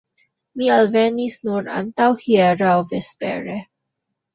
Mi alvenis nur antaŭhieraŭ vespere.